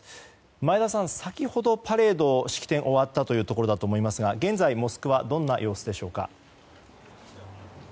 前田さん、先ほどパレード式典が終わったところだと思いますが現在、モスクワはどんな様子でしょうか。